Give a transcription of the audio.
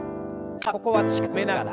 さあここは力を込めながら。